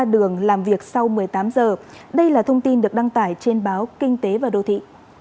đường làm việc sau một mươi tám giờ đây là thông tin được đăng tải trên báo kinh tế và đô thị